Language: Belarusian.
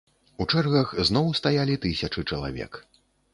У чэргах зноў стаялі тысячы чалавек.